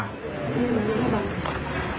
ไม่มีเหมือนกันครับ